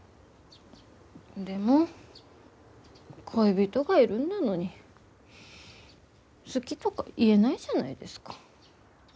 でも恋人がいるんだのに好きとか言えないじゃないですか。